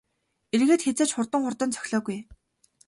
Эргээд хэзээ ч хурдан хурдан цохилоогүй ээ.